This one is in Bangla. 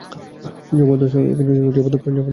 জবরদস্ত একটা শো ছিল।